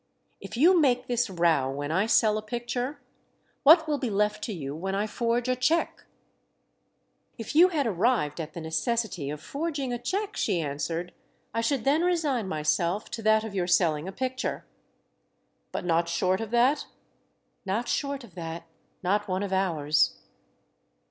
If you make this row when I sell a picture, what will be left to you when I forge a cheque?" "If you had arrived at the necessity of forging a cheque," she answered, "I should then resign myself to that of your selling a picture." "But not short of that!" "Not short of that. Not one of ours."